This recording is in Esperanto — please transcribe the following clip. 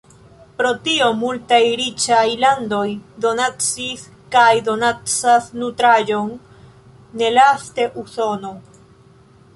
Pro tio multaj riĉaj landoj donacis kaj donacas nutraĵon, nelaste Usono.